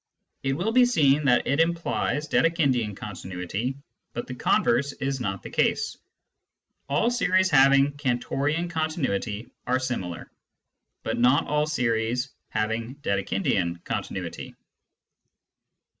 It will be seen that it implies Dedekindian con tinuity, but the converse is not the case. All series having Cantorian continuity are similar, but not all series having Dedekindian continuity.